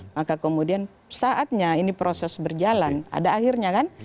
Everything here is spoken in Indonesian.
maka kemudian saatnya ini proses berjalan ada akhirnya kan